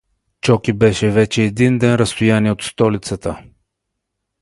Чоки беше вече един ден разстояние от столицата.